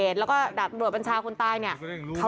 แต่